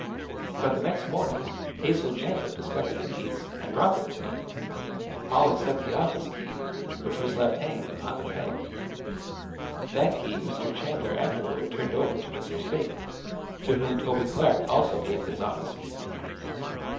But the next morning Hazel Chandler discovered the keys and brought them to me all except the office key, which was left hanging upon the peg. That key Mr. Chandler afterward turned over to Mr. Spaythe, to whom Toby Clark also gave his office key."